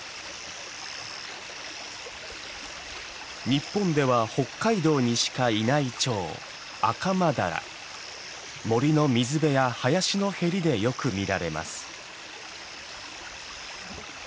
日本では北海道にしかいないチョウ森の水辺や林のへりでよく見られます。